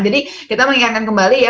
jadi kita mengingatkan kembali ya